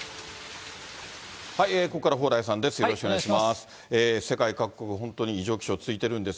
ここからは蓬莱さんです。